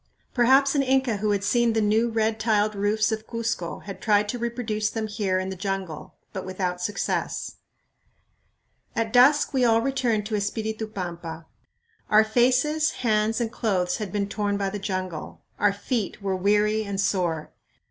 Perhaps an Inca who had seen the new red tiled roofs of Cuzco had tried to reproduce them here in the jungle, but without success. At dusk we all returned to Espiritu Pampa. Our faces, hands, and clothes had been torn by the jungle; our feet were weary and sore.